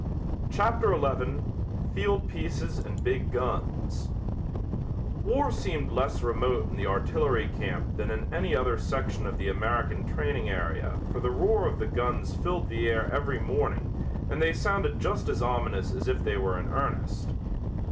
CHAPTER XI FIELD PIECES AND BIG GUNS War seemed less remote in the artillery camp than in any other section of the American training area for the roar of the guns filled the air every morning and they sounded just as ominous as if they were in earnest.